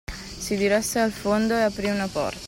Si diresse al fondo e aprí una porta.